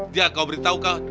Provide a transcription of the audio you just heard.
dia kau beritahu kau